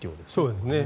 そうですね。